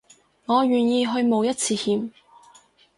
我願意去冒一次險